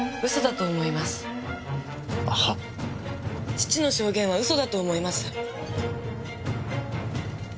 父の証言はうそだと思います。